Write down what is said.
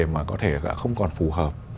mà có thể không còn phù hợp